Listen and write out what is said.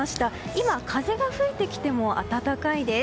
今、風が吹いてきても暖かいです。